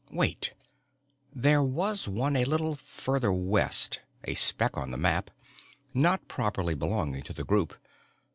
Wait, there was one a little further west, a speck on the map, not properly belonging to the group.